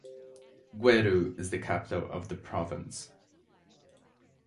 Gweru is the capital of the province.